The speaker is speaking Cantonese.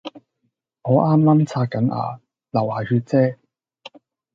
我啱啱刷緊牙，流牙血啫